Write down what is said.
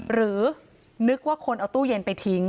หรือนึกว่าคนเอาตู้เย็นไปทิ้ง